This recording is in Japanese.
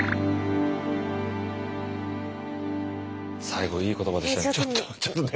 最後いい言葉でしたねちょっと。